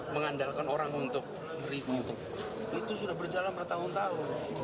mengandalkan orang untuk review itu sudah berjalan bertahun tahun